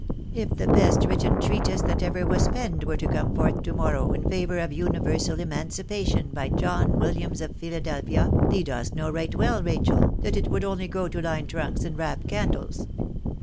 If the best written treatise that ever was penned were to come forth to morrow in favour of universal emancipation by John Williams of Philadelphia, thee dost know right well, Rachel, that it would only go to line trunks and wrap candles.